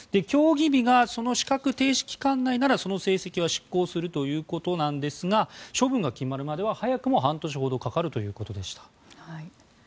競技日がその資格停止期間内ならその成績は失効するということなんですが処分が決まるまでは早くても半年ほどかかるということでした。